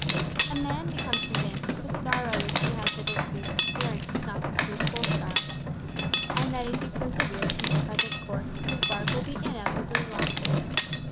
A man becomes convinced that the star by which he has hitherto been steering is not the true pole star, and that if he perseveres in his present course his barque will inevitably be lost.